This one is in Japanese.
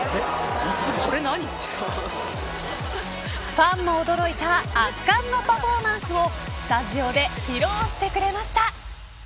ファンも驚いた圧巻のパフォーマンスをスタジオで披露してくれました。